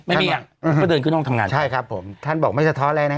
ไม่มีอ่ะอืมก็เดินขึ้นห้องทำงานใช่ครับผมท่านบอกไม่สะท้อนอะไรนะ